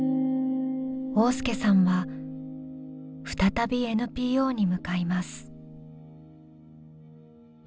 旺亮さんは再びＮＰＯに向かいます。